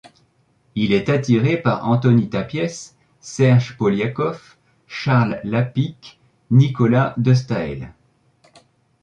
Il est attiré par Antoni Tàpies, Serge Poliakoff, Charles Lapicque, Nicolas de Staël.